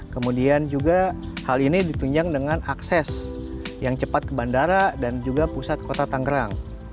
kemudian juga hal ini ditunjang dengan akses yang cepat ke bandara dan juga pusat kota tangerang